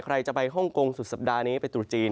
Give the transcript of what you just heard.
ใครจะไปฮ่องกงสุดสัปดาห์นี้ไปตรุษจีน